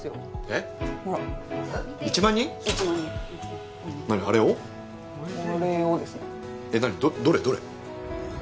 えっ何どれ？どれ？